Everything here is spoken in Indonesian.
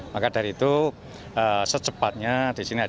maka dari itu secepatnya disini ada